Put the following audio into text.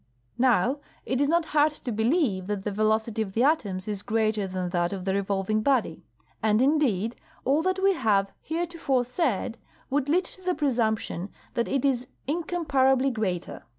Now, it is not hard to believe that the velocity of the atoms is greater than that of the revolving body; and, indeed, all that we have hereto fore said would lead to the presumption that it isincomparably greater.